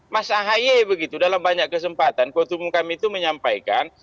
mas ahaye begitu dalam banyak kesempatan kutub kami itu menyampaikan